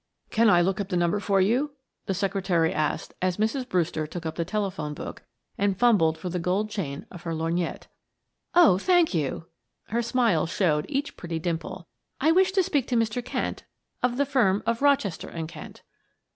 "Can I look up the number for you?" the secretary asked as Mrs. Brewster took up the telephone book and fumbled for the gold chain of her lorgnette. "Oh, thank you," her smile showed each pretty dimple. "I wish to speak to Mr. Kent, of the firm of Rochester and Kent."